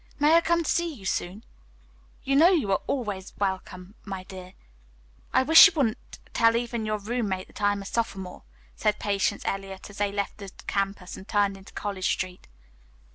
"May I come to see you soon?" "You know you will always be welcome, my dear." "I wish you wouldn't tell even your roommate that I am a sophomore," said Patience Eliot as they left the campus and turned into College Street.